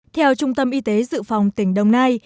theo trung tâm y tế dự phòng tỉnh đồng nai